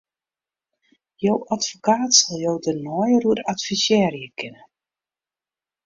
Jo advokaat sil jo dêr neier oer advisearje kinne.